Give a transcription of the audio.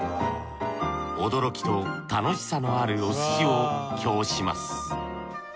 驚きと楽しさのあるお寿司を供します。